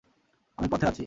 আমি পথে আছি।